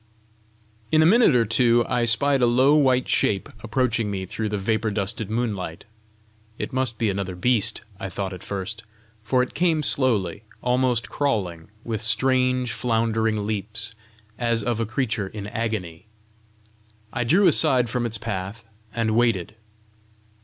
In a minute or two I spied a low white shape approaching me through the vapour dusted moonlight. It must be another beast, I thought at first, for it came slowly, almost crawling, with strange, floundering leaps, as of a creature in agony! I drew aside from its path, and waited.